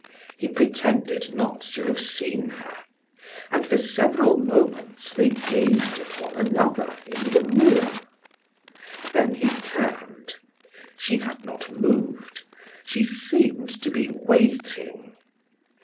He pretended not to have seen her, and for several moments they gazed at one another in the mirror. Then he turned. She had not moved; she seemed to be waiting.